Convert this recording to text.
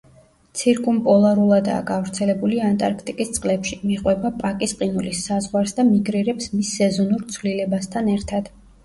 ცირკუმპოლარულადაა გავრცელებული ანტარქტიკის წყლებში; მიჰყვება პაკის ყინულის საზღვარს და მიგრირებს მის სეზონურ ცვლილებასთან ერთად.